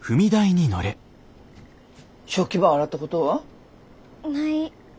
食器ば洗ったことは？ない。